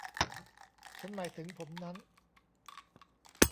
ฉันหมายถึงผมนั้น